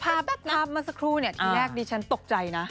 พามาสักครู่เนี่ยที่แรกดิฉันตกใจนะ